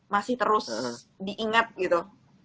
masih terus diingat gitu